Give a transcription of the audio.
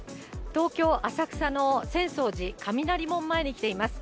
東京・浅草の浅草寺雷門前に来ています。